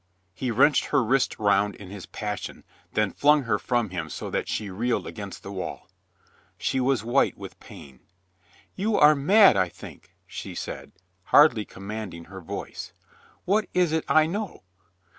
He wrenched her wrist round in his passion, then flung her from him so that she reeled against the wall. She was white with pain. "You are m.ad, I think," she said, hardly commanding her voice. "What is it I know?"